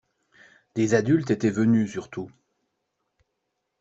Des adultes étaient venus surtout.